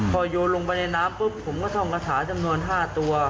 พอโยนลงไปในน้ำปุ๊บผมก็ท่องกระถาจำนวน๕ตัว